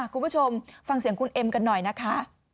คุณผู้ชมฟังเสียงคุณเอ็มกันหน่อยนะคะ